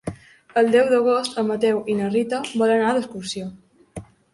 El deu d'agost en Mateu i na Rita volen anar d'excursió.